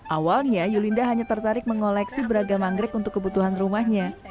awalnya yulinda hanya tertarik mengoleksi beragam anggrek untuk kebutuhan rumahnya